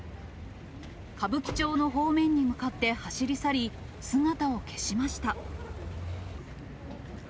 歌舞伎町の方面に向かって走り去り、姿を消しました。